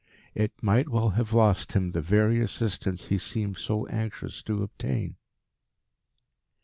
It might well have lost him the very assistance he seemed so anxious to obtain.